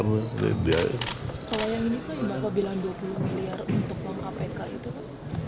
kalau yang ini kan bapak bilang dua puluh miliar untuk uang kpk itu kan